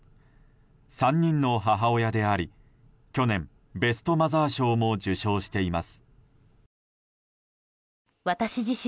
３人の母親であり去年、ベストマザー賞も受賞しています。